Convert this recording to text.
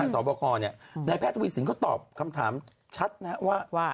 สอบราคอนี่นายแพทย์วิสินก็ตอบคำถามชัดนะว่า